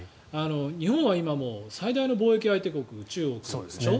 日本は今最大の貿易相手国は中国でしょ。